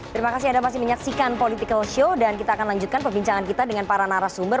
terima kasih anda masih menyaksikan political show dan kita akan lanjutkan perbincangan kita dengan para narasumber